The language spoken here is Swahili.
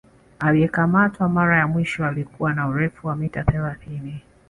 Aliyekamatwa mara ya mwisho alikuwa na urefu wa mita thelathini